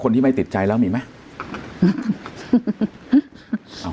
คุณแม่ก็ไม่อยากคิดไปเองหรอก